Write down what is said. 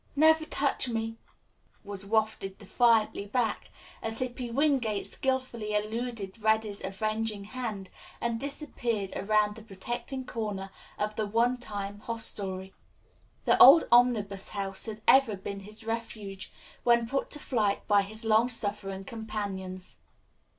"Never touched me," was wafted defiantly back, as Hippy Wingate skilfully eluded Reddy's avenging hand and disappeared around the protecting corner of the one time hostelry. The old Omnibus House had ever been his refuge when put to flight by his long suffering companions.